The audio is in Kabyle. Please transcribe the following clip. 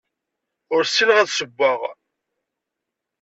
Ur ssineɣ ad ssewweɣ.